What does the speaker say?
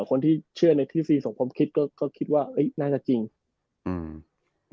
คนที่เชื่อในที่ซีสมคมคิดก็ก็คิดว่าเอ้ยน่าจะจริงอืม